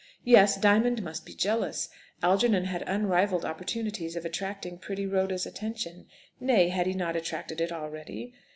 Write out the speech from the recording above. Yes, Diamond must be jealous. Algernon had unrivalled opportunities of attracting pretty Rhoda's attention. Nay, had he not attracted it already?